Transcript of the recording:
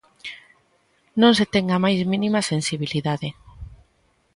Non se ten a máis mínima sensibilidade.